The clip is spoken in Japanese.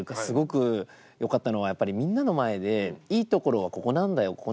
すごく良かったのはやっぱりみんなの前でいいところはここなんだよ